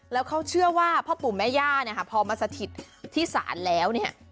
แล้วเขาเชื่อว่าพ่อปู่แม่ย่าพอมาสถิตที่ศาลแล้ว